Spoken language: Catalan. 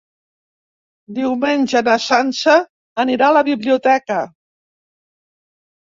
Diumenge na Sança anirà a la biblioteca.